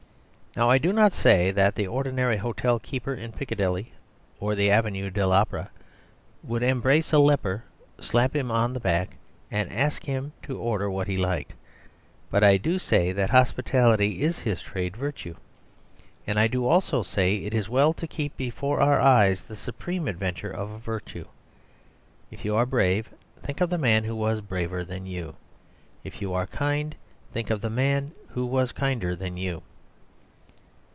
Now I do not say that the ordinary hotel keeper in Piccadilly or the Avenue de l'Opera would embrace a leper, slap him on the back, and ask him to order what he liked; but I do say that hospitality is his trade virtue. And I do also say it is well to keep before our eyes the supreme adventure of a virtue. If you are brave, think of the man who was braver than you. If you are kind, think of the man who was kinder than you.